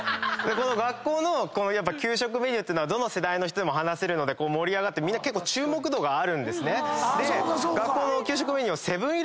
この学校の給食メニューっていうのはどの世代の人でも話せるので盛り上がってみんな結構注目度があるんですね。